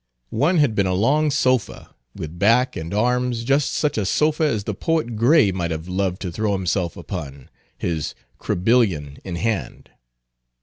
One had been a long sofa, with back and arms, just such a sofa as the poet Gray might have loved to throw himself upon, his Crebillon in hand.